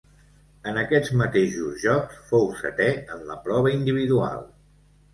En aquests mateixos Jocs fou setè en la prova individual.